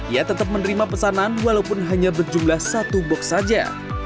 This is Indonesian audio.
ia tetap menerima pesanan walaupun hanya berjumlah satu box saja